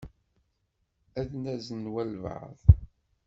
Ad nazen walebɛaḍ.